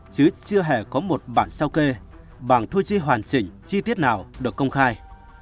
chứ chưa hề có một bản sao kê bảng thu chi hoàn chỉnh chi tiết nào được công khai